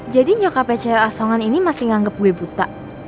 jadi nyokapnya cewek asongan ini masih nganggep gue buta